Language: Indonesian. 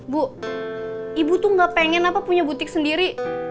bu ibu tuh gak pengen apa punya butik sendiri